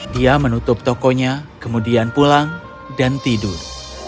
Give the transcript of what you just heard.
dia menutup tokonya kemudian pulang dan tidur